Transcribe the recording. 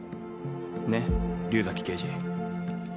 ねっ竜崎刑事。